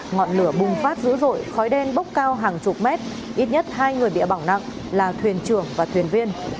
ngọn lửa bùng phát dữ dội khói đen bốc cao hàng chục mét ít nhất hai người bị bỏng nặng là thuyền trưởng và thuyền viên